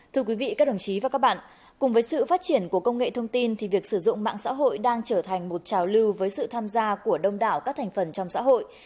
thưa quý vị các đồng chí và các bạn cùng với sự phát triển của công nghệ thông tin thì việc sử dụng mạng xã hội đang trở thành một trào lưu với sự tham gia của đông đảo các thành phần trong xã hội